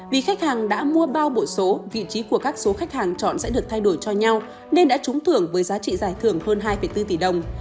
vì khách hàng đã mua bao bộ số vị trí của các số khách hàng chọn sẽ được thay đổi cho nhau nên đã trúng thưởng với giá trị giải thưởng hơn hai bốn tỷ đồng